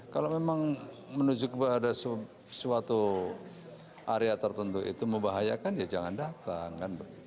kalau memang menuju kepada suatu area tertentu itu membahayakan ya jangan datang kan